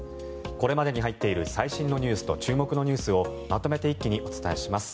これまでに入っている最新ニュースと注目ニュースをまとめて一気にお伝えします。